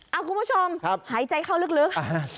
เอาคุณผู้ชมหายใจเข้าลึก